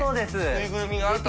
ぬいぐるみがあった所だ。